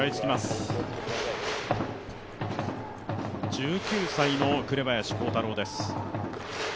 １９歳の紅林弘太郎です。